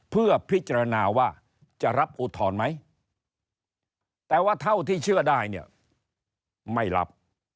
เพื่อพิจารณาว่าจะรับอุทธรณ์ไหมแต่ว่าเท่าที่เชื่อได้เนี่ยไม่รับ